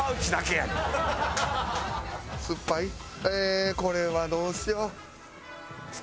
えーこれはどうしよう？